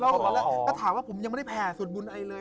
แล้วถามว่าผมยังไม่ได้แผ่ส่วนบุญอะไรเลย